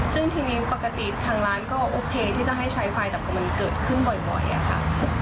ซึ่งทีนี้ปกติทางร้านก็โอเคที่จะให้ใช้ไฟแต่พอมันเกิดขึ้นบ่อยอะค่ะ